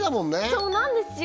そうなんですよ